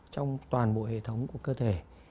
trong toàn bộ hệ thống của cơ thể